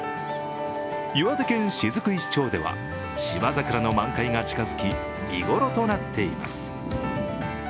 岩手県雫石町ではシバザクラの満開が近づき、見頃となっています。